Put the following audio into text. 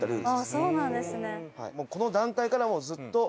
そうなんですね。